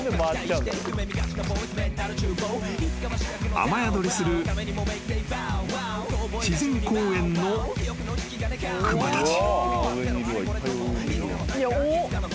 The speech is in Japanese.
［雨宿りする自然公園の熊たち］